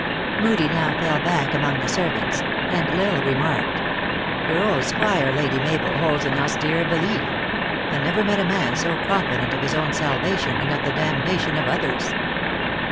Moodie now fell back among the servants ; and L Isle remarked, " your old squire, Lady Mabel, holds an austere belief. I never met a man so confident of his own salvation and of the damnation of others."